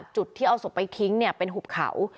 จุดที่เอาสบไปทิ้งเนี่ยเป็นหุบเขา